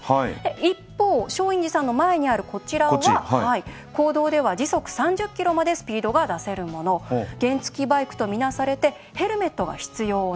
一方松陰寺さんの前にあるこちらは公道では時速３０キロまでスピードが出せるもの原付きバイクと見なされてヘルメットが必要なんです。